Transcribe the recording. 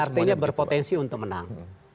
artinya berpotensi untuk menang